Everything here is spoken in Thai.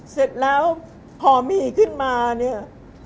เสร็จแล้วพอมีขึ้นมาเนี่ย